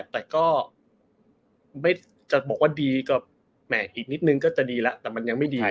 แต่ก็จะบอกว่าดีก็แหมอีกนิดนึงก็จะดีแล้วแต่มันยังไม่ดี